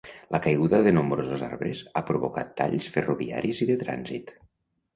La caiguda de nombrosos arbres ha provocat talls ferroviaris i de trànsit.